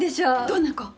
どんな子？